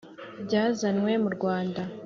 byazanywe mu Rwanda